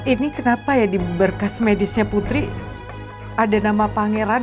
ini kenapa ya di berkas medisnya putri ada nama pangeran